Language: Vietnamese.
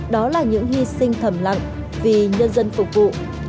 đó là những hy sinh thầm lặng vì nhân dân phục vụ